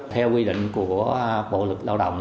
theo quy định của bộ lực lao động